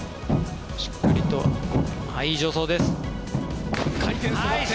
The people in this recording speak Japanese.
しっかりと、いい助走です。